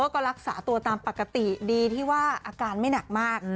ก็รักษาตัวตามปกติดีที่ว่าอาการไม่หนักมาก